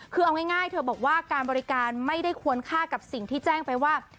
คือเอาง่ายเธอบอกว่าการบริการไม่ได้ควรค่ากับสิ่งที่แจ้งไปว่า